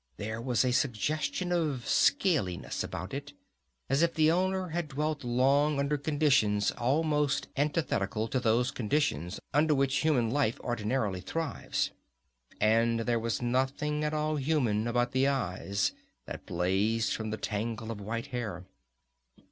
There was a suggestion of scaliness about it, as if the owner had dwelt long under conditions almost antithetical to those conditions under which human life ordinarily thrives. And there was nothing at all human about the eyes that blazed from the tangle of white hair.